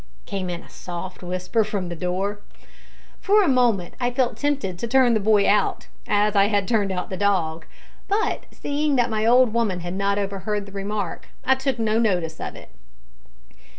came in a soft whisper from the door. For a moment I felt tempted to turn the boy out, as I had turned out the dog; but, seeing that my old woman had not overheard the remark, I took no notice of it.